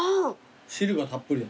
汁がたっぷり。